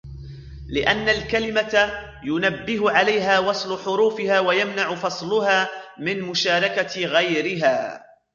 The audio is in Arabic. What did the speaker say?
لِأَنَّ الْكَلِمَةَ يُنَبِّهُ عَلَيْهَا وَصْلُ حُرُوفِهَا وَيَمْنَعُ فَصْلُهَا مِنْ مُشَارَكَةِ غَيْرِهَا